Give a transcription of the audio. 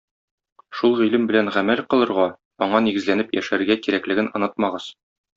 Шул гыйлем белән гамәл кылырга, аңа нигезләнеп яшәргә кирәклеген онытмагыз.